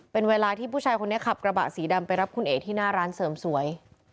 เป็นเวลาที่ผู้ชายคนนี้ขับกระบะสีดำไปรับคุณเอ๋ที่หน้าร้านเสริมสวย